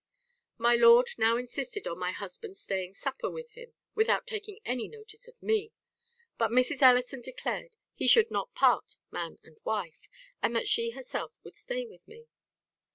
"My lord now insisted on my husband's staying supper with him, without taking any notice of me; but Mrs. Ellison declared he should not part man and wife, and that she herself would stay with me.